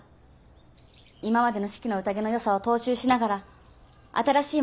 今までの「四季の宴」のよさを踏襲しながら新しいものができたらと思います。